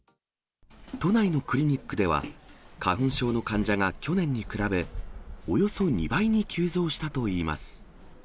都内のクリニックでは、花粉症の患者が去年に比べ、およそ２倍に急増したといいます。